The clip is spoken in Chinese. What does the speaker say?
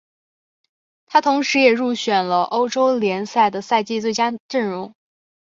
他同时也入选了欧洲联赛的赛季最佳阵容。